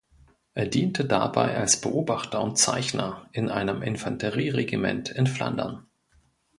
Er diente dabei als Beobachter und Zeichner in einem Infanterieregiment in Flandern.